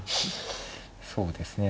そうですね